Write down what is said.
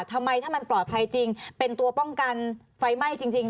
ทำไมถ้ามันปลอดภัยจริงเป็นตัวป้องกันไฟไหม้จริง